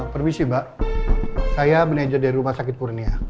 permisi mbak saya manajer dari rumah sakit kurnia